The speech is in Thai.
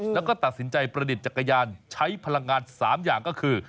แล้วก็ตัดสินใจประดิษฐ์จักรยานใช้พลังงาน๓อย่างก็คือ